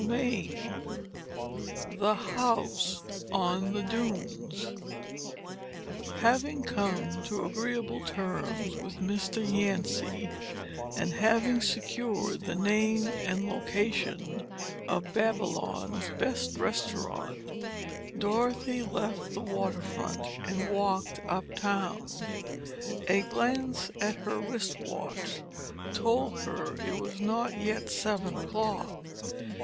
Chapter VI THE HOUSE ON THE DUNES Having come to agreeable terms with Mr. Yancy and having secured the name and location of Babylon's best restaurant, Dorothy left the waterfront and walked uptown. A glance at her wrist watch told her it was not yet seven o'clock.